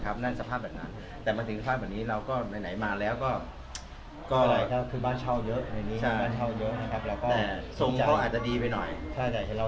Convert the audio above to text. เหมือนสภาพแบบนั้นแต่ที่ถ้านี้เราก็ไปไหนมาแล้ว